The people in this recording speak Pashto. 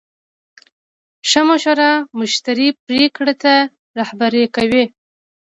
ښه مشوره مشتری پرېکړې ته رهبري کوي.